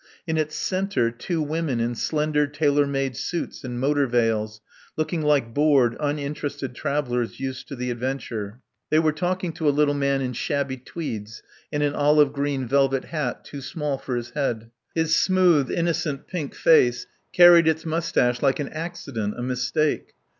In its centre two women in slender tailor made suits and motor veils, looking like bored uninterested travellers used to the adventure. They were talking to a little man in shabby tweeds and an olive green velvet hat too small for his head. His smooth, innocent pink face carried its moustache like an accident, a mistake.